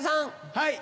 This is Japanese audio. はい。